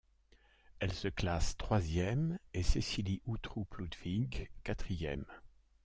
Elle se classe troisième et Cecilie Uttrup Ludwig quatrième.